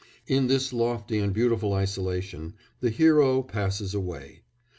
In this lofty and beautiful isolation the hero passes away.